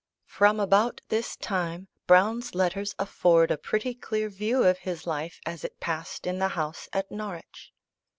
From about this time Browne's letters afford a pretty clear view of his life as it passed in the house at Norwich.